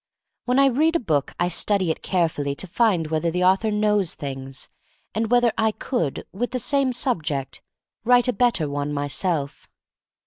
When I read a book I study it care fully to find whether the author knows things, and whether I could, with the same subject, write a better one myself.